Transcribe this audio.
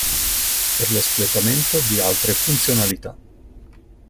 Per l'espletamento di altre funzionalità.